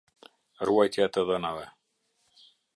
Ruajtja e të dhënave.